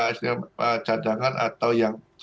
istilahnya cadangan atau yang